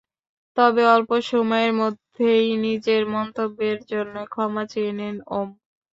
তবে অল্প সময়ের মধ্যেই নিজের মন্তব্যের জন্য ক্ষমা চেয়ে নেন ওম।